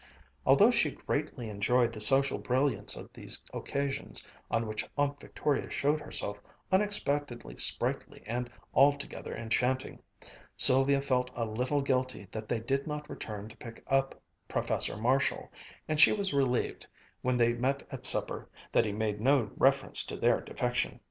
Although she greatly enjoyed the social brilliance of these occasions, on which Aunt Victoria showed herself unexpectedly sprightly and altogether enchanting, Sylvia felt a little guilty that they did not return to pick up Professor Marshall, and she was relieved, when they met at supper, that he made no reference to their defection.